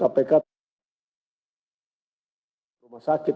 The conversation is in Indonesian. sudah melakukan penahanan di rumah sakit